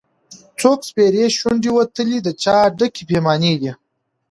څوک سپېرې شونډي وتلي د چا ډکي پیمانې دي